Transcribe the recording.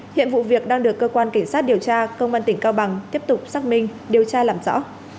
hiện vụ việc đang được cơ quan cảnh sát điều tra công an tỉnh cao bằng tiếp tục xác minh điều tra làm rõ